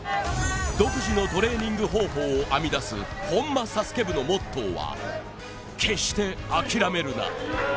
独自のトレーニング方法を編み出す本間サスケ部のモットーは「決してあきらめるな」